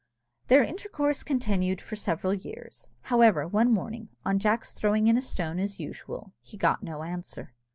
Their intercourse continued for several years. However, one morning, on Jack's throwing in a stone as usual, he got no answer.